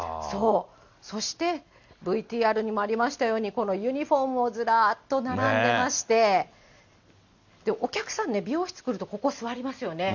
そして、ＶＴＲにもありましたように、このユニホームもずらっと並んでまして、お客さんね、美容室来るとここ座りますよね。